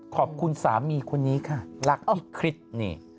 ขอบคุณสามีคนนี้ค่ะรักที่คริสนี่